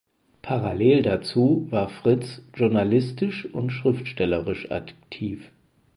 Parallel dazu war Fritz journalistisch und schriftstellerisch aktiv.